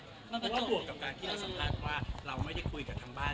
มันก็บวกกับการที่เราสัมภาษณ์ว่าเราไม่ได้คุยกับทางบ้าน